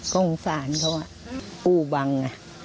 ก็โง่สามารถเขาอ่ะอู้บัง